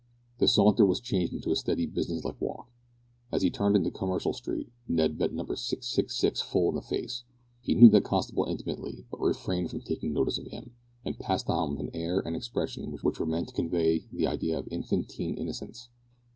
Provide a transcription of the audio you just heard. The saunter was changed into a steady businesslike walk. As he turned into Commercial Street, Ned met Number 666 full in the face. He knew that constable intimately, but refrained from taking notice of him, and passed on with an air and expression which were meant to convey the idea of infantine innocence.